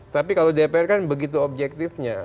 tapi kalau dpr kan begitu objektifnya